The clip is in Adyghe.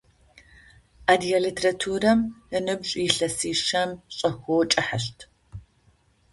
Адыгэ литературэм ыныбжь илъэсишъэм шӏэхэу кӏэхьащт.